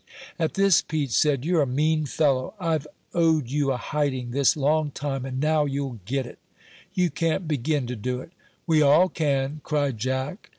At this Pete said, "You're a mean fellow; I've owed you a hiding this long time, and now you'll get it." "You can't begin to do it." "We all can," cried Jack.